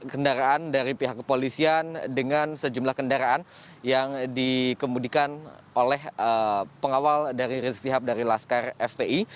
kendaraan dari pihak kepolisian dengan sejumlah kendaraan yang dikemudikan oleh pengawal dari rizik sihab dari laskar fpi